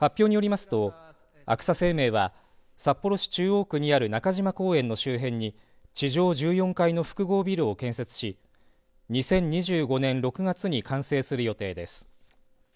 発表によりますとアクサ生命は札幌市中央区にある中島公園の周辺に地上１４階の複合ビルを建設し２０２５年６月に完成する予定です。